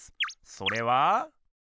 それは。